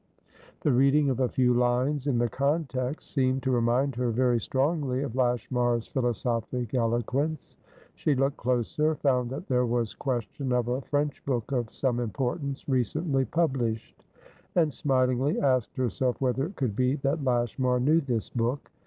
The reading of a few lines in the context seemed to remind her very strongly of Lashmar's philosophic eloquence. She looked closer; found that there was question of a French book of some importance, recently published; and smilingly asked herself whether it could be that Lashmar knew this book.